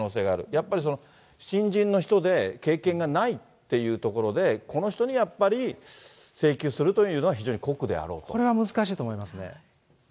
やっぱり新人の人で、経験がないっていうところで、この人にやっぱり、請求するというのは、これは難しいと思いますね。